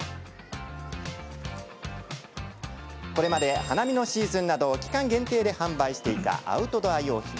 これまで花見のシーズンなど期間限定で販売していたアウトドア用品。